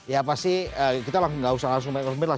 ya pasti kita langsung nggak usah naik ke luar negeri lah